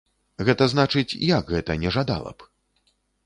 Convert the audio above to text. Гэта значыць, як гэта, не жадала б?